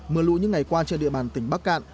mưa lũ những ngày qua trên địa bàn tỉnh bắc cạn